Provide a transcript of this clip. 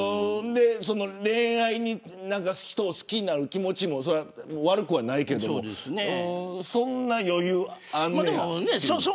恋愛で人を好きになる気持ちも悪くはないけどそんな余裕あんねんって。